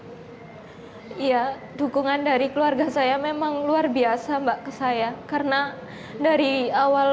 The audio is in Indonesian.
oh iya dukungan dari keluarga saya memang luar biasa mbak ke saya karena dari awal